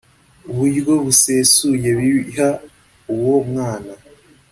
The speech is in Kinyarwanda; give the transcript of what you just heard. buryo busesuye biha uwo mwana